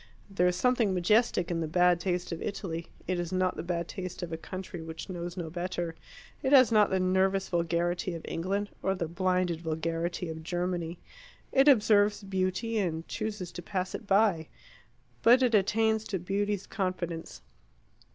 There is something majestic in the bad taste of Italy; it is not the bad taste of a country which knows no better; it has not the nervous vulgarity of England, or the blinded vulgarity of Germany. It observes beauty, and chooses to pass it by. But it attains to beauty's confidence.